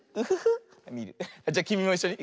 じゃきみもいっしょに。